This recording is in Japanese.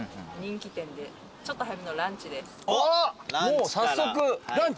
もう早速。ランチ？